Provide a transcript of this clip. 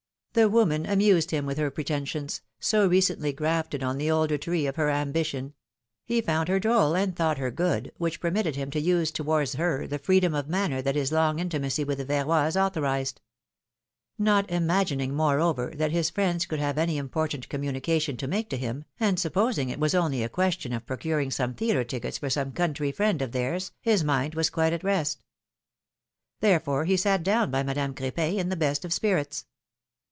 The woman amused him with her pretensions, so recently grafted on the older tree of her ambition ; he found her droll and thought her good, which permitted him to use towards her the freedom of manner that his long intimacy with the Verroys authorized. Not imagin ing, moreover, that his friends could have any important communication to make to him, and supposing it was only a question of procuring some theatre tickets for some country friend of theirs, his mind was quite at rest. Therefore he sat down by Madame Cr^pin in the best of spirits.